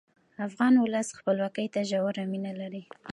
افغان ولس خپلواکۍ ته ژوره مینه لري.